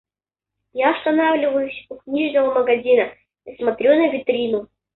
Я останавливаюсь у книжного магазина и смотрю на витрину.